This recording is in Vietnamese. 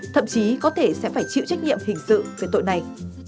thậm chí có thể sẽ phải chịu trách nhiệm hình sự về tội này